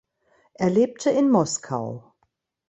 Er lebte in Moskau.